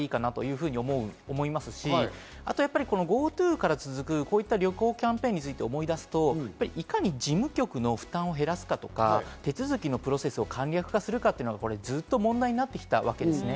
このあたり柔軟に対応をしてくれればいいかなと思いますし、あとＧｏＴｏから続く旅行キャンペーンについて思い出すといかに事務局の負担を減らすかとか、手続きのプロセスを簡略化するかってのは、ずっと問題になってきたわけです。